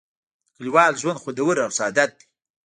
د کلیوال ژوند خوندور او ساده دی.